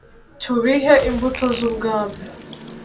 Tubibe imbuto z’Ubwami.